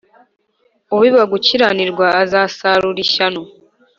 ubiba gukiranirwa azasarura ishyano